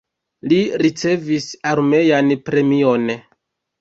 Li ricevis armean premion.